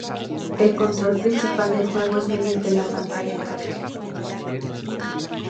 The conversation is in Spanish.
El control principal del juego es mediante la pantalla táctil.